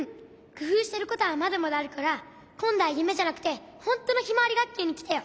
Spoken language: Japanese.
くふうしてることはまだまだあるからこんどはゆめじゃなくてほんとのひまわりがっきゅうにきてよ。